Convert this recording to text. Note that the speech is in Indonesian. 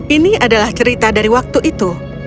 ini adalah cerita dari waktu itu